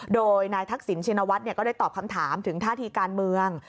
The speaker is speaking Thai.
โดยนายทักษิณชินวัฒน์ก็ได้ตอบคำถามถึงท่าทีการเมือง